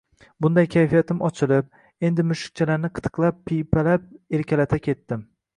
Bundan kayfiyatim ochilib, endi mushukchalarni qitiqlab-piypalab erkalata ketdim